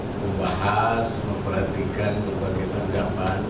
membahas memperhatikan berbagai tanggapan